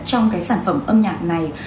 trong cái sản phẩm âm nhạc này